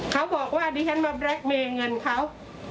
เขาบอกว่าดิฉันมาแล็คเมย์เงินเขา